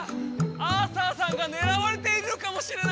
アーサーさんがねらわれているのかもしれない！